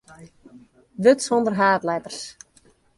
Wurd sonder haadletters.